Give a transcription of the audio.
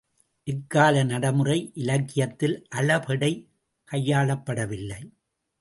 இக்கால நடைமுறை இலக்கியத்தில் அளபெடை கையாளப்படவில்லை.